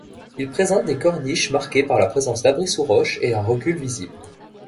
Ils présentent des corniches marquées par la présence d'abris-sous-roche et un recul visible.